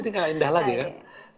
ini gak indah lagi kan